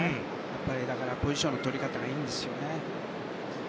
だから、ポジションの取り方がいいんですよね。